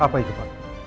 apa itu pak